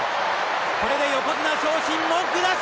これで横綱昇進文句なし！